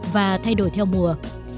và thay đổi theo mùa